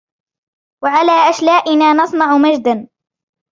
و على أشلائنا نصنع مجدا